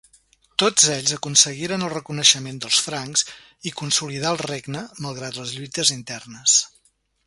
Tots ells aconseguiren el reconeixement dels francs i consolidar el regne, malgrat les lluites internes.